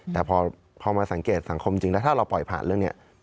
แต่พอมาสังเกตสังคมจริงแล้วถ้าเราปล่อยผ่านเรื่องนี้